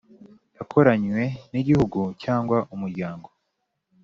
yakoranywe n Igihugu cyangwa Umuryango